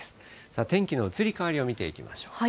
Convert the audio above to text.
さあ、天気の移り変わりを見ていきましょう。